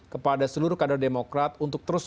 kepada seluruh kader demokrat untuk terus